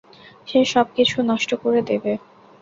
সে সবকিছু নষ্ট করে দেবে।